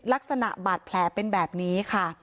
ลักษณะบาดแผลเป็นแบบนี้ค่ะ